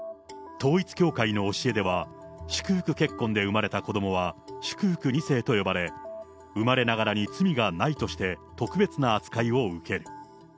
統一教会の教えでは、祝福結婚で生まれた子どもは祝福２世と呼ばれ、生まれながらに罪がないとして、特別な扱いを受ける。